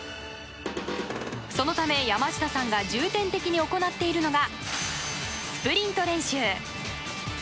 そのため、山下さんが重点的に行っているのがスプリント練習。